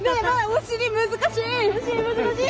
お尻難しい。